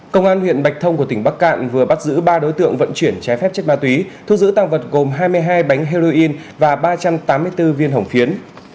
công an huyện bạch thông của tỉnh bắc cạn vừa bắt giữ ba đối tượng vận chuyển trái phép chất ma túy thu giữ tăng vật gồm hai mươi hai bánh heroin và ba trăm tám mươi bốn viên hồng phiến